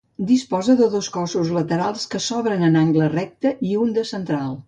Disposa de dos cossos laterals que s'obren en angle recte, i un de central.